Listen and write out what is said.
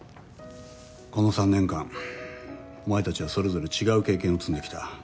この３年間お前たちはそれぞれ違う経験を積んできた。